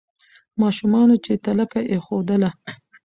ماشومانو چي تلکه ایښودله